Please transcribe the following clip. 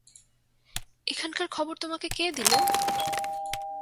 এখানকার খবর তোমাকে কে দিলে?